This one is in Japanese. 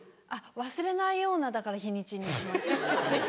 忘れないようなだから日にちにしました。